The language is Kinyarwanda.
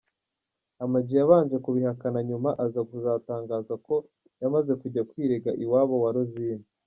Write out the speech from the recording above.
Ama-G yabanje kubihakana nyuma aza kuzatangaza ko yamaze kujya kwirega iwabo wa Rosine.